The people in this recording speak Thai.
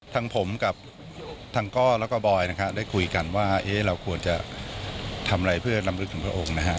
ทั้งผมกับทางก้อแล้วก็บอยนะครับได้คุยกันว่าเราควรจะทำอะไรเพื่อลำลึกถึงพระองค์นะฮะ